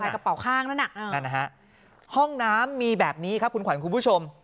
กระเป๋าข้างนั้นน่ะนั่นนะฮะห้องน้ำมีแบบนี้ครับคุณขวัญคุณผู้ชม